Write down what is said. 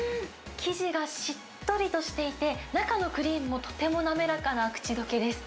生地がしっとりとしていて、中のクリームもとても滑らかな口どけです。